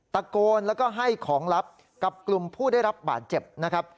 ตะโกนแล้วก็ให้ของลับกับกลุ่มผู้ได้รับบาดเจ็บนะครับ